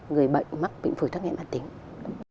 người bệnh mắc bệnh phủy tắc nghẽ mạng tính